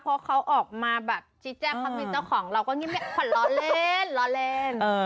พอเขาออกมาแบบชิ้นแจกเขาเป็นเจ้าของเราก็งิ้มแม่ขวัญล้อเล่นล้อเล่น